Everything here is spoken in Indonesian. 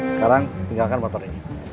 sekarang tinggalkan motor ini